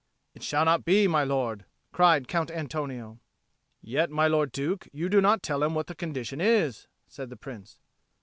"It shall not be, my lord," cried Count Antonio. "Yet, my lord Duke, you do not tell him what the condition is," said the Prince.